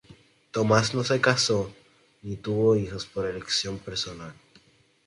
Thomas no se casó ni tuvo hijos por elección personal.